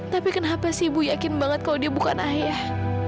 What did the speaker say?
tapi kenapa sih ibu yakin banget kalau dia bukan ayah